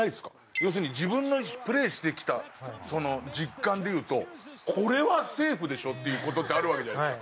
要するに自分のプレーしてきた実感で言うと「これはセーフでしょ」っていう事ってあるわけじゃないですか。